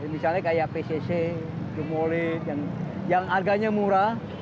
misalnya kayak pcc jumole yang harganya murah